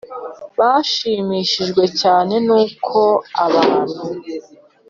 bashimishijwe cyane n uko abantu